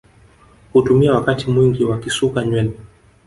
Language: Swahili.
Hutumia wakati mwingi wakisuka nywele